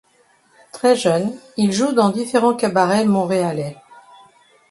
Très jeune, il joue dans différents cabarets montréalais.